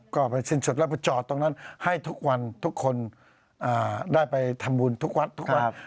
ก็ไปสิ้นสุดแล้วไปจอดตรงนั้นให้ทุกวันทุกคนได้ไปทำบุญทุกวัดทุกวัน